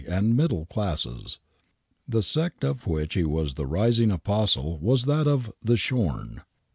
MURDERS 11 middle classes. The sect of v^hich he was the rising apostle was that of " The Shorn."